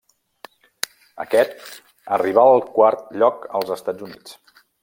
Aquest arribà al quart lloc als Estats Units.